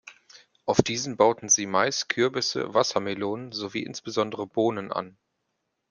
Auf diesen bauten sie Mais, Kürbisse, Wassermelonen sowie insbesondere Bohnen an.